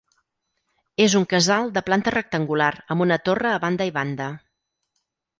És un casal de planta rectangular amb una torre a banda i banda.